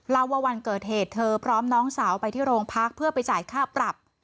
เล่าว่าวันเกิดเหตุเธอพร้อมน้องสาวไปที่โรงพักเพื่อไปจ่ายค่าปรับ